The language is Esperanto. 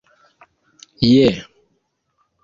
je